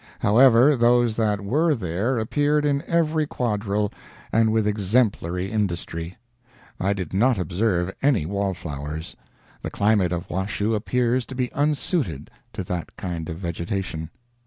However, those that were there appeared in every quadrille, and with exemplary industry. I did not observe any wallflowers—the climate of Washoe appears to be unsuited to that kind of vegetation.